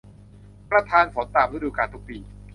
ประทานฝนตามฤดูกาลทุกปี